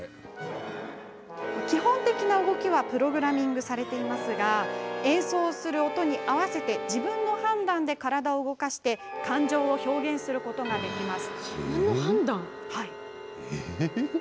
基本的な動きはプログラミングされていますが演奏する音に合わせて自分の判断で体を動かして感情を表現することができます。